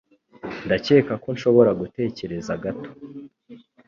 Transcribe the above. Ndakeka ko nshobora gutegereza gato.